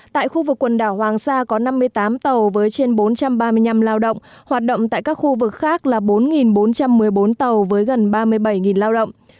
tại khu vực quần đảo hoàng sa có năm mươi tám tàu với trên bốn trăm ba mươi năm lao động hoạt động tại các khu vực khác là bốn bốn trăm một mươi bốn tàu với gần ba mươi bảy lao động